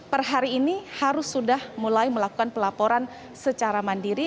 per hari ini harus sudah mulai melakukan pelaporan secara mandiri